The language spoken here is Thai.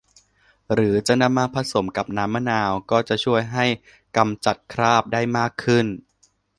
หรือจะนำมาผสมกับน้ำมะนาวก็จะช่วยให้กำจัดคราบได้มากขึ้น